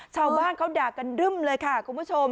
ชาวบ้านเขาด่ากันรึ่มเลยค่ะคุณผู้ชม